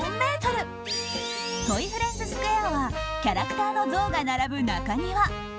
トイフレンズ・スクエアはキャラクターの像が並ぶ中庭。